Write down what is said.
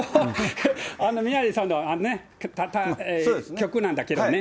宮根さんのね、あのね局なんだけどね。